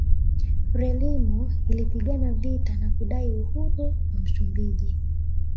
Frelimo ilipigana vita na kudai uhuru wa Msumbiji